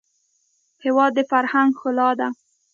هېواد د فرهنګ ښکلا ده.